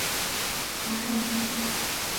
蓬圣马丁。